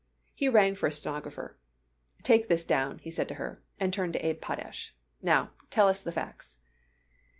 He rang for a stenographer. "Take this down," he said to her, and turned to Abe Potash. "Now, tell us the facts."